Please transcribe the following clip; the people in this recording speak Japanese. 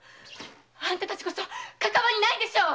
あんた達こそかかわりないでしょう！